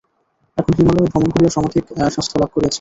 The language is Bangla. এখন হিমালয়ে ভ্রমণ করিয়া সমধিক স্বাস্থ্য লাভ করিয়াছি।